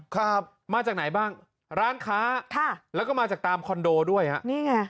ครับมาจากไหนบ้างร้านค้าค่ะแล้วก็มาจากตามคอนโดด้วยฮะนี่ไง